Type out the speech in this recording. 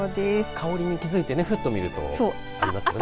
香りに気付いてふっと見ると、ありますよね。